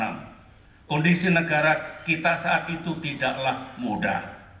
kondisi negara kita saat itu tidaklah mudah